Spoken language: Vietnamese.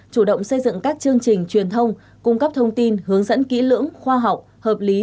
chủ động xây dựng các chương trình truyền thông cung cấp thông tin hướng dẫn kỹ lưỡng khoa học hợp lý